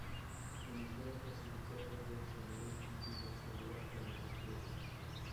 Venezuela clasificó dos boxeadores y una boxeadora para los juegos.